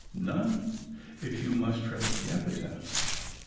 None, if you may trust the epitaphs.